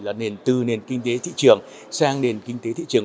là từ nền kinh tế thị trường sang nền kinh tế thị trường